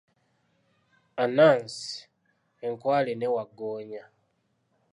Anansi, enkwale ne wagggoonya